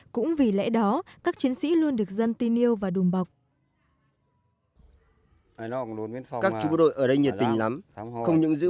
cũng vì lẽ đó các chiến sĩ luôn được dân tin yêu và đùm bọc